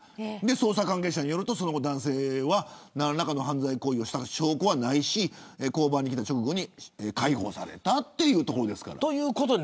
捜査関係者によるとその後、男性は何らかの犯罪をした証拠はないし交番に来た直後に解放されたということです。